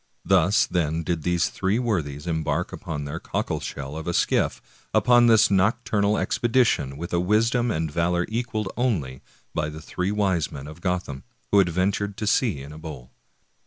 Thus, then, did these three worthies embark in their cockleshell of a skiff upon this nocturnal expedition, with a wisdom and valor equaled only by the three wise men of Gotham/ who adventured to sea in a bowl.